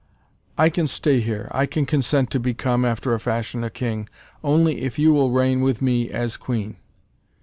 "I can stay here, I can consent to become, after a fashion, a King, only if you will reign with me as Queen.